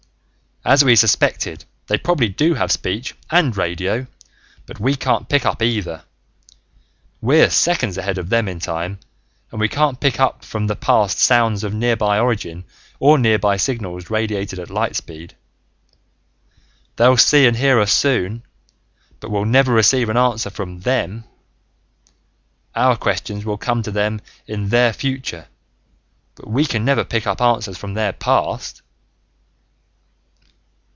As we suspected, they probably do have speech and radio but we can't pick up either. We're seconds ahead of them in time and we can't pick up from the past sounds of nearby origin or nearby signals radiated at light speed. They'll see and hear us soon, but we'll never receive an answer from them! Our questions will come to them in their future but we can never pick answers from their past!"